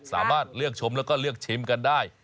สามารถเลือกชมแล้วก็เลือกชิมกันได้